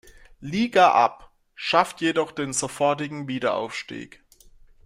Liga ab, schaffte jedoch den sofortigen Wiederaufstieg.